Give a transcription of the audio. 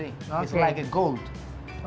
ini seperti gula